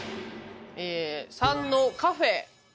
え③のカフェ。